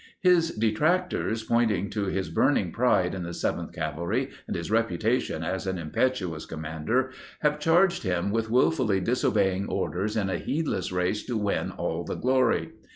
His detractors, pointing to his burning pride in the 7th Cavalry and his reputation as an impetuous commander, have charged him with will fully disobeying orders in a heedless race to win all the glory.